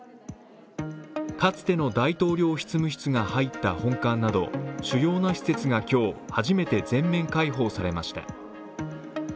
かつての大統領執務室が入った本館など主要な施設が今日初めて全面開放されました。